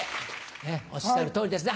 ねっおっしゃる通りですね。